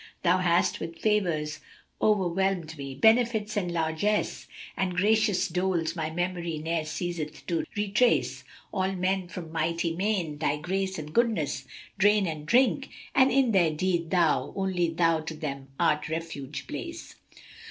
Thou hast with favours overwhelmed me, benefits and largesse * And gracious doles my memory ne'er ceaseth to retrace. All men from mighty main, Thy grace and goodness, drain and drink; * And in their need Thou, only Thou, to them art refuge place!